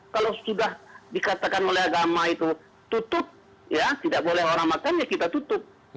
kalau sudah dikatakan oleh agama itu tutup ya tidak boleh orang makan ya kita tutup